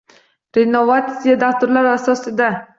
Renovatsiya dasturlari asosida